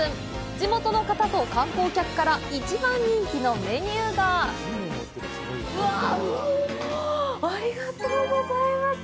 地元の方と観光客から一番人気のメニューがうわあ、ありがとうございます。